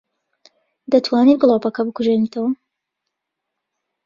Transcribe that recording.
دەتوانیت گڵۆپەکە بکوژێنیتەوە؟